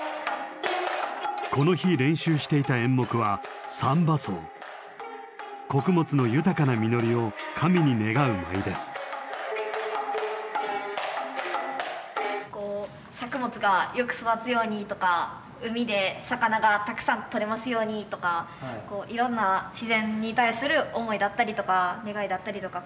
この日練習していた演目はこう作物がよく育つようにとか海で魚がたくさんとれますようにとかいろんな自然に対する思いだったりとか願いだったりとか。